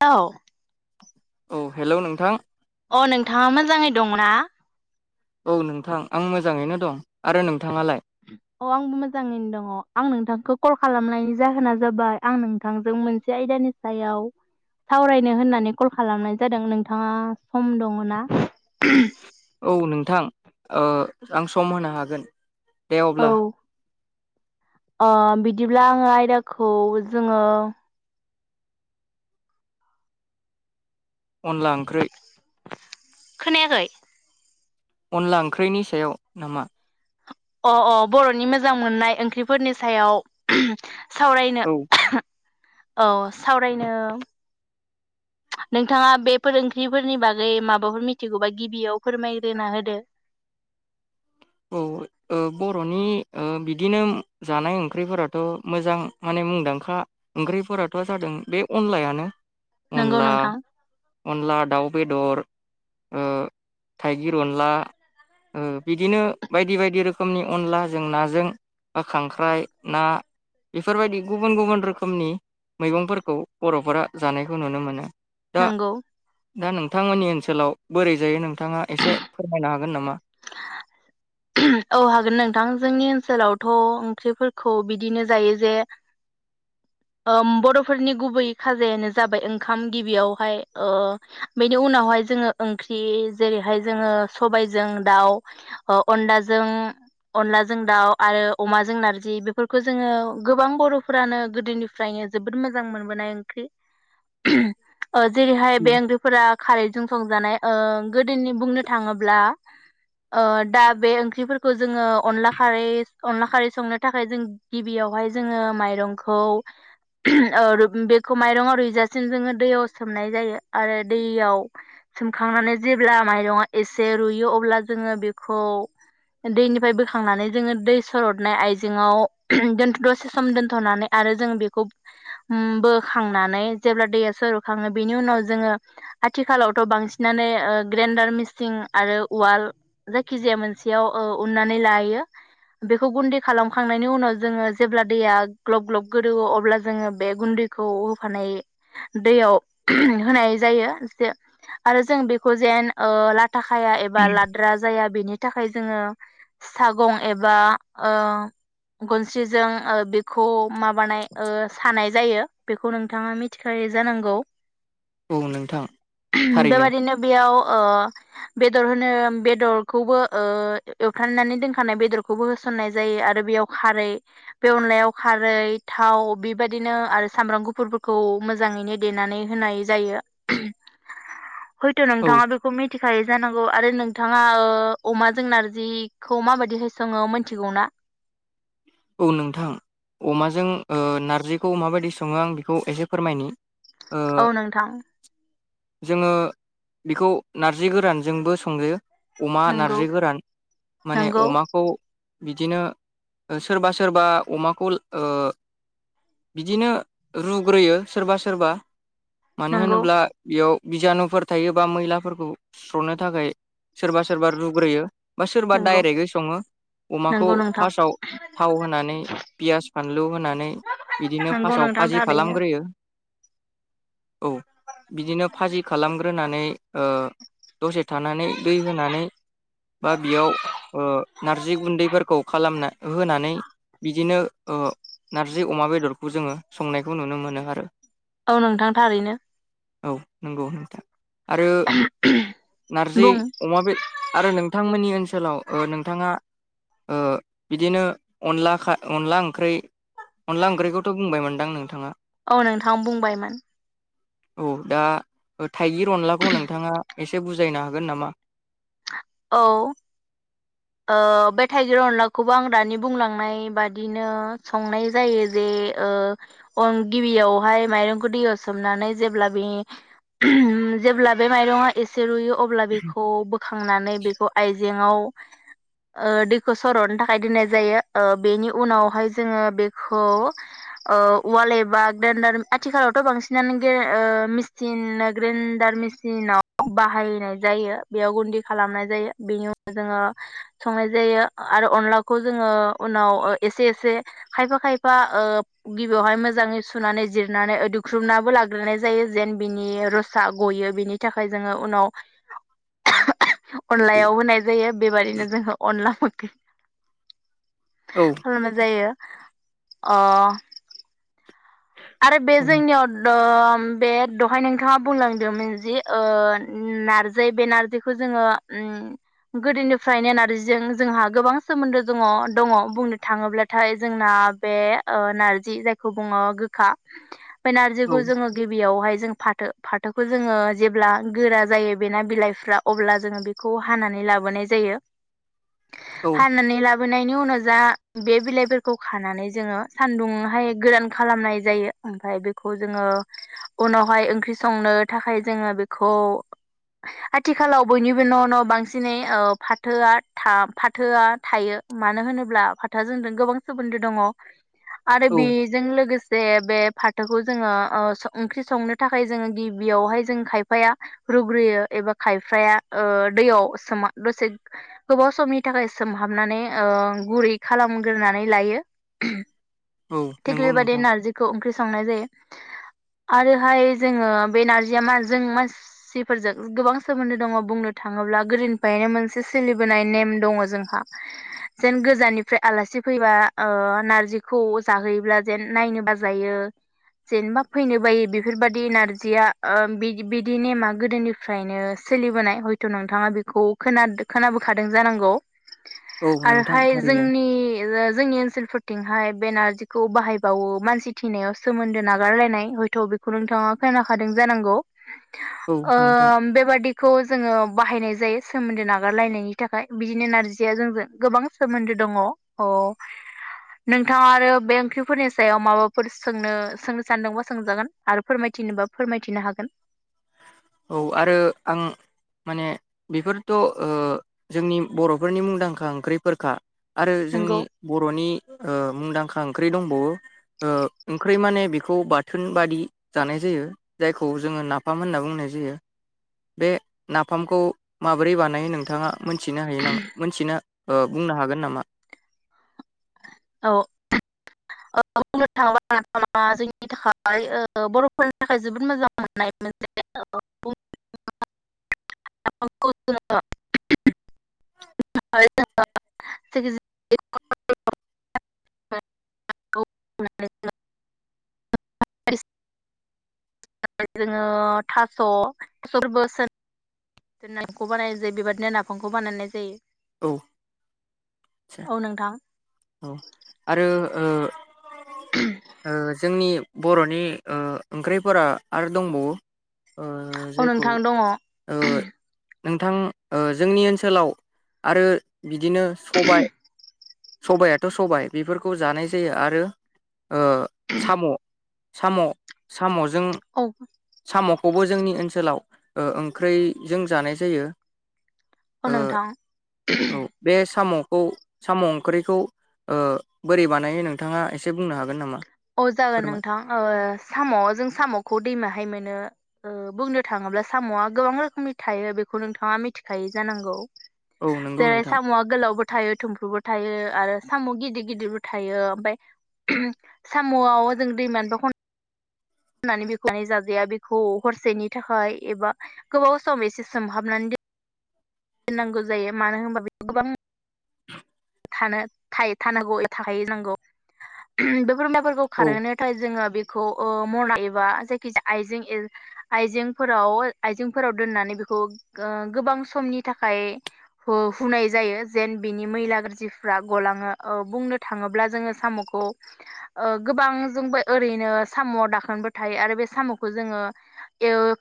औ औ हेलौ नोंथां अ नोंथाङा मोजाङै दंना? औ नोंथां आं मोजाङैनो दं आरो नोंथाङालाय? अ आंबो मोजाङैनो दङ आं नोंथांखौ कल खालामनायनि जाहोना जाबाय आं नोंथांजों मोनसे आयदानि सायाव सावरायनो होननानै कल खालामनाय जादों नोंथाङा सम दङ ना? औ नोंथां ओ आं सम होनो हागोन। दे अब्ला अ बिदिब्ला आङो आयदाखौ जोङो अनला ओंख्रै खोनायाखै अनला ओंख्रैनि सायाव नामा? अ अ बर'नि मोजां मोननाय ओंख्रिफोरनि सायाव सावरायनो औ औ सावरायनो नोंथाङा बेफोर ओंख्रिफोरनि बागै माबाफोर मिथिगौबा गिबियाव फोरमायग्रोना होदो औ ओ बर'नि ओ बिदिनो जानाय ओंख्रिफोराथ' मोजां माने मुंदांखा ओंख्रिफोराथ' जादों बे अनलायानो नंगौ अनला नोंथां अनला दाउ बेदर थाइगिर अनला बिदिनो बायदि बायदि रोखोमनि अनला जों नाजों बा खांख्राइ ना बेफोरबायदि गुबुन गुबुन रोखोमनि मैगंफोरखौ बर'फोरा जानायखौ नुनो मोनो दा नंगौ दा नोंथांमोननि ओनसो लाव बोरै जायो नोंथाङा एसे फोरमायनो हागोन नामा? औ हागोन नोंथां जोंनि ओनसोलावथ ओंख्रिफोरखौ बिदिनो जायो जे बर'फोरनि गुबै खाजायानो जाबाय ओंखाम गिबियावहाय बेनि उनावहाय जोङो ओंख्रि जेरैहाय जोङो सबायजों दाउ अनलाजों अनलाजों दाउ आरो अमाजों नारजि बेफोरखौ जोङो गोबां बरफोरानो गोदोनि फ्रायनो जोबोद मोजां मोनबोनाय ओंख्रि जेरैहाय बे ओंख्रिफोरा खारैजों संजानाय ओ गोदोनि बुंनो थाङोब्ला दा बे ओंख्रिफोरखौ जोङो अनला खारै अनला खारै संनो थाखाय जों गिबियावहाय जोङो माइरंखौ बेखौ माइरङा रुइजासिम जोङो दैयाव सोमनाय जायो आरो दैयाव सोमखांनानै जेब्ला माइरङा एसे रुइयो अब्ला जोङो बेखौ दैनिफ्राय बोखांनानै जोङो दै सरदनाय आइजेंआव दोन दसे सम दोन्थनानै आरो जों बेखौ बोखांनानै जेब्ला दैया सोरुखाङो बेनि उनाव जोङो आथिखालावथ बांसिनानो ग्रेन्डार मिसिं आरो उवाल जायखि जाया मोनसेयाव उन्नानै लायो बेखौ गुन्दै खालामखांनायनि उनाव जोङो जेब्ला दैया ग्लब ग्लब गोदोवो अब्ला जोङो बे गुन्दैखौ होफानाय दैयाव होनाय जायो आरो जों बेखौ जेन ओ ला खाया एबा लाद्रा जाया बेनि थाखाय जोङो सागं एबा ओ गनस्रिजों ओ बेखौ माबानाय सानाय जायो बेखौ नोंथाङा मिथिखायो जानांगौ औ नोंथां थारैनो बेबायादिनो बेयाव ओ बेदर हो बेदरखौबो एवफ्रामनानै दोनखानाय बेदरखौबो होसननाय जायो आरो बेयाव खारै बे अनलायाव खारै रै थाव बेबदिनो आरो सामब्राम गुफुरफोरखौ मोजाङैनो देनानै होनाय जायो हयथ औ नोंथाङा बेखौ मिथि खायो जानांगौ आरो नोंथाङा अमाजों नारजिखौ माबायदिहाय सङो मिथिगौ ना औ नोंथां अमाजों नारजिखौ माबायदि सङो आं बेखौ एसे फोरमायनि ओ औ नोंथां जोङो बेखौ नारजि गोरानजोंबो संजायो अमा नंगौ नारजि गोरान माने नंगौ अमाखौ बिदिनो सोरबा सोरबा अमाखौ बिदिनो रुग्रोयो सोरबा सोरबा मानो नंगौ होनोब्ला बेयाव बिजानुफोर थायोबा मैलाफोरखौ सुस्रनो थाखाय सोरबा सोरबा रुग्रोयो बा सोरबा नंगौ दायरेखगै सङो अमाखौ नंगौ नोंथां फार्स्टआव थाव होनानै पियास फानलु होनानै बिदिनो नंगौ फार्स्टआव नोंथां फाजि थारैनो खालामग्रोयो औ बिदिनो फाजि खालामग्रोनानै ओ दसे थानानै दै होनानै बा बेयाव ओ नारजि गुन्दैफोरखौ खालामना होनानै बिदिनो ओ नारजि अमा बेदरखौ जोङो संनायखौ नुनो मोनो आरो औ नोंथां थारैनो औ नोंगौ नोंथां आरो नारजि बुं अमाबेद आरो नोंथांमोननि ओन सोलाव ओ नोंथाङा ओ बिदिनो अनला खा अनला ओंख्रै अनला ओंख्रैखौथ बुंबाय मोनदां नोंथांङा औ नोंथां बुंबायमोन। औ दा ओ थाइगिर अनलाखौ नोंथाङा एसे बुजायनो हागोन नामा? औ। ओ बे थाइगिर अनलाखौबो आं दानि बुंलांनाय बादिनो संनाय जायो जे ओ अं गिबियावहाय माइरंखौ दैयाव सोमनानै जेब्ला बे जेब्ला बे माइरङा एसे रुइयो अ ब्ला बेखौ बोखांनानै बेखौ आइ जेंङाव। ओ दैखौ सरनो थाखाय दोननाय जायो ओ बेनि उनावहाय जोङो बेखौ ओ उवाल एबा ग्लेन्दार आथिखालावथ बांसिनानो गे ओ मिसिन ओ ग्रेन्डार मिसिनाव बाहायनाय जायो बेयाव गुन्दै खालामनाय जायो बेनि उनाव जोङो संनाय जायो आरो अनलाखौ जोङो उनाव एसे एसे खायफा खायफा ओ गिबियावहाय मोजाङै सुनानै जिरनानै दुख्रुबनाबो लाग्रोनाय जायो जेन बिनि रुसा गयो बिनि थाखाय जोङो उनाव [unintelligible] अनलायाव होनाय जोयो बेबादिनो जोंहो अनलाह औ [unintelligible] खालामा जायो। अह। आरो बे औ जोंनियाव दम बे दहाय नोंथाङा बुंलांदोंमोन जि ओ नारजै बे नारजैखो जोङो ओम गोदोनिफ्रायनो नार्जिजों जोंहा गोबां सोमोन्दो दङ दङ बुंनो थाङोब्लाथाय जोंना बे ओ नार्जि जायखौ बुङो गो खा। फाय नारजिखौ जोङो गिबियावहाय जों फाथ थो फाथोखौ जोङो जेब्ला गोरा जायो बेना बिलाइफ्रा अब्ला जोङो बिखौ हानानै लाबोनाय जायो। औ हानानै लाब बोनायनि उनाव जा बे बिलाइफोरखौ खानानै जोङो सान्दुंहाय गोरान खालामनाय। जायो ओमफाय बेखौ जोङो उनावहाय ओंख्रि संनो थाखाय जोङो बेखौ आथिखालाव बयनिबो न न बांसिनै ओव फाथोआ था फाथोआ थायो मानो होनोब्ला फाथोआ जोंजों गोबां सोमोन्दो दङ। आरो औ बेजों लोगोसे बे बे फाथोखौ जोङो ओ ओंख्रि संनो थाखाय जोङो गिबियावहाय जों खायफाया रुग्रोयो एबा खायफाया ओ दैयाव सोमा दसे गोबाव समनि थाखाय सोमहाबनानै ओ गुरै खालामग्रोनानै लायो। औ नोंगौ नोंथां। बिखौ ओंख्रि संनाय जायो आरोहाय जोङो बे नारजिया मा जों मानसिफोरजों गोबां सोमोन्दो दङ बुंनो थाङोब्ला गोदोनिफायनो मोनसे सोलिबोनाय नेम दङ जोंहा जेन गोजाननिफ्राय आलासि फैबा ओ नारजिखौ जाहोयोब्ला जेन नायनोबा जायो जेनेबा फैनो बायो बेफोरबादि नारजिया ओ बि-बिदि नेमा गोदोनिफ्रायनो सोलिबोनाय हयथ नोंथाङा बिखौ खोनाद-खोनाबोखादों जानांगौ। औ नोंथां आरोहाय थारैनो जोंनि जोंनि ओनसोलफोर थिंहाय बे नारजिखौ बाहायबावो मानसि थिनायाव सोमोन्दो नागारलायनाय हयथ बेखौ नोंथाङा खोनाखादों जानांगौ। औ ओ नोंथां बेबादिखौ जोङो बाहायनाय जायो सोमोन्दो नागारलायनायनि थाखाय बिदिनो नारजिया जोंजों गोबां सोमोन्दो दङ अ नोंथाङा आरो बे ओंख्रिफोरनि सायाव माबा फोर सोंनो सोंनो सानदोंबा सोंजागोन आरो फोरमायथिनोबा फोरमायथिनो हागोन। औ आरो आं माने बेफोरथ ओ जोंनि बर'फोरनि मुंदांखा ओंख्रि फोरखा। आरो जोंनि नंगौ बर'नि ओ मुंदांखा ओंख्रि दंबावो ओ ओंख्रि माने बेखौ बाथोन बादि जानाय जायो जायखौ जोङो नाफाम होनना बुंनाय जायो बे नाफामखौ माबोरै बानायो नोंथाङा मोनथिनो हायो नामा मोनथिनो ओ बुंनो हागोन नामा? औ बुंनो थाङोबा नाफामा जोंनि थाखाय बर'फोरनि थाखाय जोबोद मोजां मोननाय मोनसे। [unintelligible] [unintelligible] खौ बानायनाय जायो बेबादिनो नाफामखौ बानायनाय जायो औ आदसा औ नोंथां औ आरो ओ ओ जोंनि बर'नि ओ ओंख्रिफोरा आरो दंबावो ओ औ जायखौ नोंथां दङ औ ओ नोंथां ओ जोंनि ओनसोलाव आरो बिदिनो सबाय सबायाथ सबाय बेफोरखौ जानाय जायो आरो ओ साम' साम' साम' औ साम'खौबो जोंनि ओनसोलाव ओ ओंख्रैजों जानाय जायो। औ ओ नोंथां औ बे साम' खौ साम' ओंख्रिखौ ओ बोरै बानायो नोंथाङा एसे बुंनो हागोन नामा? अ जागोन फोरमाय नोंथां ओ साम' जों सामखौ दैमाहाय मोनो। ओ बुंनो थाङोब्ला साम'आ गोबां रोखोमनि थायो बेखौ नोंथाङा मिथिखायो जानांगौ। औ नंगौ जेरै नोंथां सामुआ गोलावबो थायो थुमफ्रुबो थायो आरो साम गिदिर गिदिरबो थायो ओमफाय साम' आव जों दैमानिबो खन होननानै बेखौआनानै जाजाया बेखौ हरसेनि थाखाय एबा गोबाव सम एसे सोमहाबनानै दोन नांगौ जायो मानो होनबा बेयाव गोबां थानो थाय थानांगौ थाहैनांगौ बेफोर फोर औ खारहोनो थाखायथ जोङो बे खौ ओ मना एबा जायखि जाया आइजेंफोराव आइजेंफोराव दोननानै बेखौ ओ गोबां समनि थाखाय हुनाय जायो जेन बिनि मैला गाज्रिफ्रा गलाङो औ बुंनो थाङोब्ला जोङो साम'खौ ओ गोबां जोंबो ओरैनो साम'आव दाखोनबो थायो आरो बे साम'खौ जोङो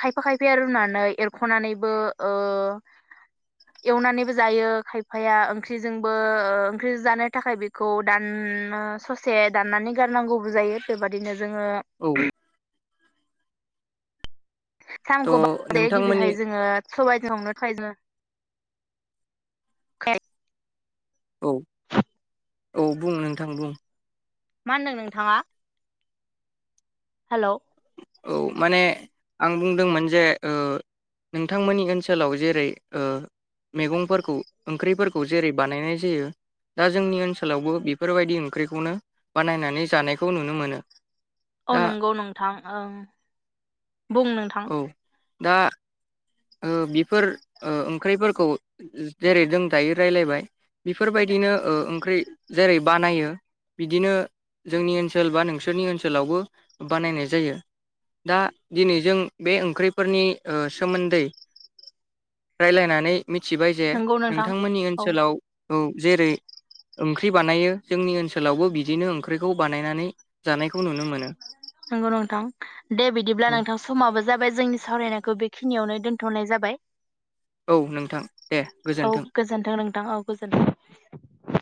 खायफा खायफाया रुनानै एरखनानैबो ओ एवनानैबो जायो खायफाया ओंख्रिजोंबो ओ ओंख्रिजों जानो थाखाय बेखौ दान ससे दाननानै गारनांगौबो जायो बेबादिनो। जोङो औ [unintelligible] थ' नोंथांमोननि गिबिहाय जोङो सबायजों [unintelligible] औ औ बुं नोंथां बुं मा होनदों नोंथाङा हेलौ औ माने आं बुंदोंमोन जे ओ नोंथांमोननि ओनसोलाव जेरै ओ मैगंफोरखौ ओंख्रिफोरखौ जेरै बानायनाय जायो दा जोंनि ओनसोलावबो बेफोरबायदि ओंख्रिखौनो बानायनानै जानायखौ नुनो मोनो। अ दा नंगौ नोंथां। ओं बुं नोंथां औ दा ओ बिफोर ओ ओंख्रिफोरखौ जेरै जों दायो राय्लायबाय बेफोरबायदिनो ओ ओंख्रि जेरै बानायो बिदिनो जोंनि ओनसोल बा नोंसोरनि ओनसोलावबो बानायनाय जायो दा दिनै जों बे ओंख्रिफोरनि सोमोन्दै रायलायनानै मिथिबाय जे नंगौ नोंथां नोंथांमोननि औ ओनसोलाव औ जेरै ओंख्रि बानायो जोंनि ओनसोलावबो बिदिनो ओंख्रिखौ बानायनानै जानायखौ नुनो मोनो नंगौ नोंथां दे बिदिब्ला नोंथां समाबो जाबाय जोंनि सावरायनायखौ बेखिनियावनो दोन थनाय जाबाय औ नोंथां दे औ गोजोन्थों गोजोन्थों नोंथां औ गोजोन्थों